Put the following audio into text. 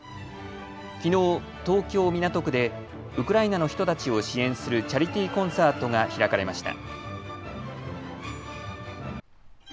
きのう東京港区でウクライナの人たちを支援するチャリティーコンサートが開かれました。